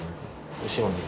後ろに。